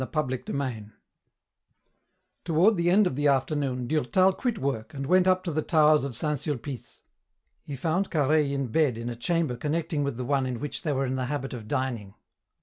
CHAPTER XVII Toward the end of the afternoon Durtal quit work and went up to the towers of Saint Sulpice. He found Carhaix in bed in a chamber connecting with the one in which they were in the habit of dining.